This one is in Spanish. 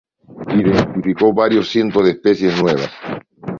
Identificó varios cientos de especies nuevas.